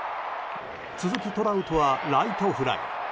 続くトラウトはライトフライ。